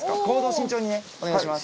慎重にお願いします。